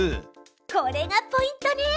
これがポイントね。